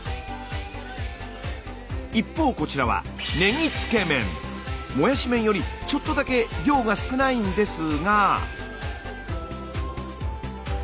一方こちらはもやし麺よりちょっとだけ量が少ないんですが。